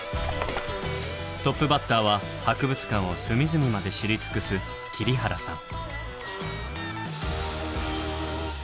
トップバッターは博物館を隅々まで知り尽くす切原さん。